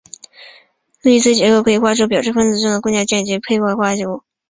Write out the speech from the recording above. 路易斯结构可以画出表示分子中的共价键以及配位化合物。